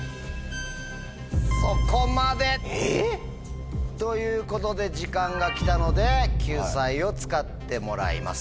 そこまで。ということで時間が来たので救済を使ってもらいます。